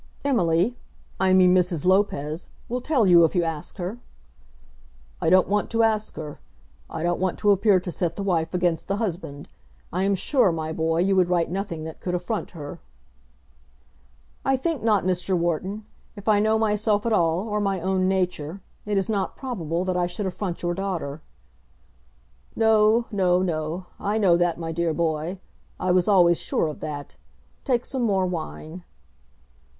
"Emily, I mean Mrs. Lopez, will tell you if you ask her." "I don't want to ask her. I don't want to appear to set the wife against the husband. I am sure, my boy, you would write nothing that could affront her." "I think not, Mr. Wharton. If I know myself at all, or my own nature, it is not probable that I should affront your daughter." "No; no; no. I know that, my dear boy. I was always sure of that. Take some more wine."